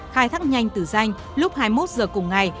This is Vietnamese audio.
khai thác nhanh từ danh lúc hai mươi một h cùng ngày